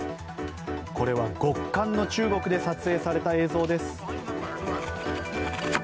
これは極寒の中国で撮影された映像です。